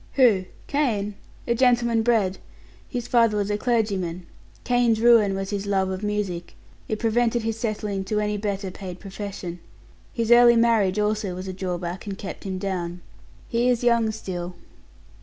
"Who? Kane? A gentleman bred; his father was a clergyman. Kane's ruin was his love of music it prevented his settling to any better paid profession; his early marriage also was a drawback and kept him down. He is young still."